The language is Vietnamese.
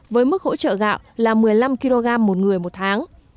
với mức hỗ trợ gạo là một mươi năm kg một người một tháng